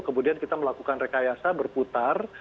kemudian kita melakukan rekayasa berputar